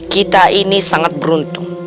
kita ini sangat beruntung